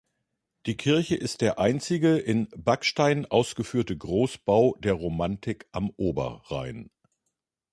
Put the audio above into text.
Die Kirche ist der einzige in Backstein ausgeführte Großbau der Romanik am Oberrhein.